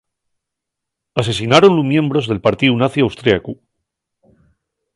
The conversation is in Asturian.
Asesináronlu miembros del partíu nazi austriacu.